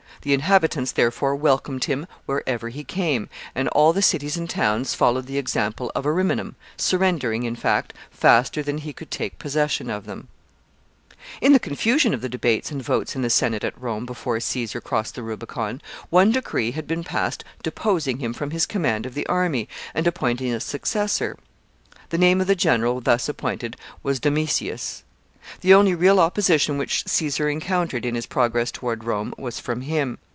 The inhabitants, therefore, welcomed him wherever he came, and all the cities and towns followed the example of Ariminum, surrendering, in fact, faster than he could take possession of them. [Sidenote: Domitius appointed to supersede Caesar.] In the confusion of the debates and votes in the Senate at Rome before Caesar crossed the Rubicon, one decree had been passed deposing him from his command of the army, and appointing a successor. The name of the general thus appointed was Domitius. The only real opposition which Caesar encountered in his progress toward Rome was from him.